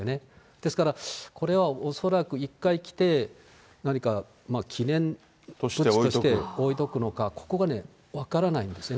ですから、これは恐らく１回着て、何か記念として置いとくのか、ここが分からないんですよね。